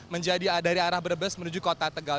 menjadi dari arah brebes menuju kota tegal